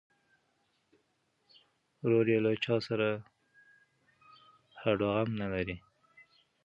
ورور یې له چا سره هډوغم نه لري.